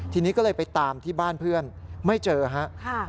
ทีนี้ก็เลยไปตามที่บ้านเพื่อนไม่เจอครับ